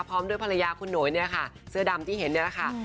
พร้อมด้วยภรรยาคุณหนุ่ยเนี่ยค่ะเสื้อดำที่เห็นเนี่ยแหละค่ะ